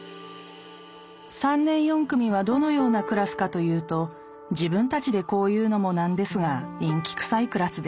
年４組はどのようなクラスかというと自分たちでこう言うのも何ですが陰気くさいクラスです。